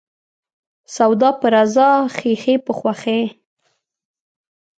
سوداپه رضا ، خيښي په خوښي.